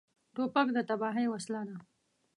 توپک د تباهۍ وسیله ده.